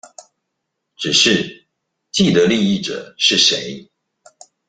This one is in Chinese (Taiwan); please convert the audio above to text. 只是既得利益者是誰